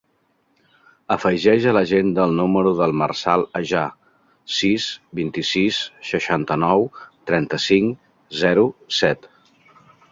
Afegeix a l'agenda el número del Marçal Aja: sis, vint-i-sis, seixanta-nou, trenta-cinc, zero, set.